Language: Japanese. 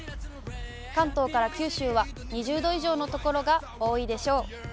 関東から九州は２０度以上の所が多いでしょう。